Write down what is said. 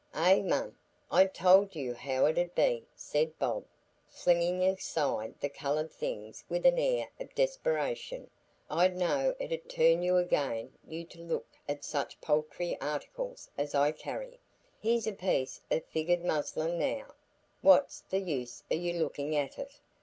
"Eh, mum, I told you how it 'ud be," said Bob, flinging aside the coloured things with an air of desperation. "I knowed it ud' turn again' you to look at such paltry articles as I carry. Here's a piece o' figured muslin now, what's the use o' you lookin' at it?